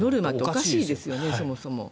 おかしいですよねそもそも。